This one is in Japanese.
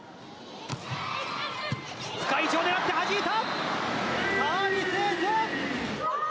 深い位置を狙ってはじいた！